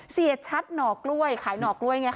เสียชัดหน่อกล้วยขายหน่อกล้วยไง